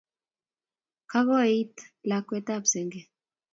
Kakoit ka lakwet ap senge.